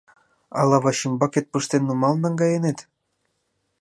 Ала вачӱмбакет пыштен нумал наҥгайынет?..